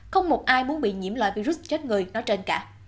không một ai muốn bị nhiễm loại virus chết người nói trên cả